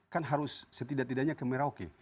kan harus setidak tidaknya ke merauke